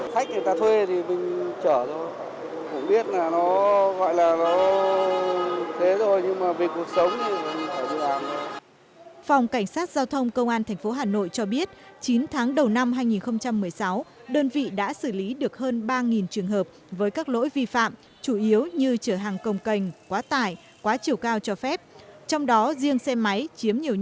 trước tình hình này lực lượng cảnh sát giao thông công an tp hà nội đồng loạt gia quân tuần tra xử lý các trường hợp xe máy xe ba gáp trở hàng quá khổ quá tải và các xe kéo tự chế